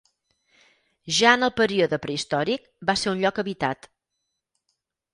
Ja en el període prehistòric va ser un lloc habitat.